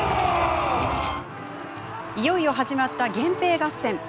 いよいよ始まった源平合戦。